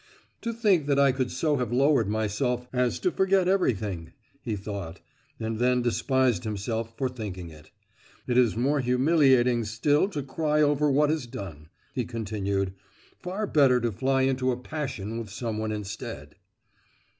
"To think that I could so have lowered myself as to forget everything!" he thought—and then despised himself for thinking it; "it is more humiliating still to cry over what is done," he continued. "Far better to fly into a passion with someone instead."